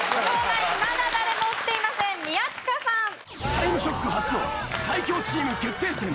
『タイムショック』初の最強チーム決定戦